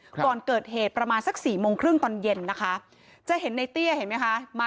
ก่อนเกิดเหตุประมาณสักสี่โมงครึ่งตอนเย็นนะคะจะเห็นในเตี้ยเห็นไหมคะมา